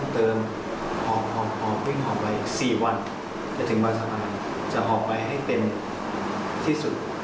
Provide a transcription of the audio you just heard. เดี๋ยวผมจะนับไปส่งให้